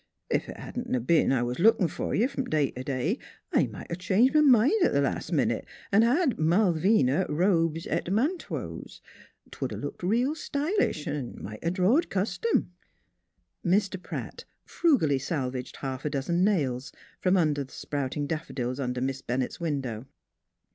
Ef it hadn't V b'en I was lookin' f'r you from day t' day I might 'a' changed m' mind th' last minute an' had ' Malvina, Robes et Man toes.' 'Twould 'a' looked real styl ish, n' might 'a' drawed custom." Mr. Pratt frugally salvaged half a dozen nails from among the sprouting daffodils under Miss Bennett's window.